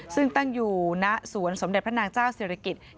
ซึ่งตั้งอยู่ณสวนสมเด็จพระนางเจ้าศิริกิจ